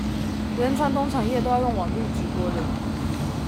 連傳統產業都要用網路直播了